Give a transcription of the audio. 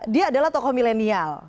dia adalah tokoh milenial